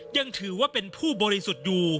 ยังถือว่าเป็นผู้บริสุทธิ์อยู่